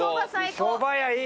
そば屋いい。